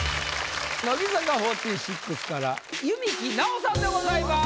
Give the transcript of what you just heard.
乃木坂４６から弓木奈於さんでございます。